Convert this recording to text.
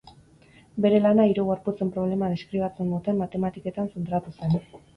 Bere lana hiru gorputzen problema deskribatzen duten matematiketan zentratu zen.